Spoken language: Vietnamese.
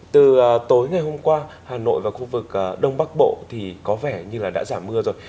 từ tối ngày hôm qua hà nội và khu vực đông bắc bộ thì có vẻ như là đã giảm mưa rồi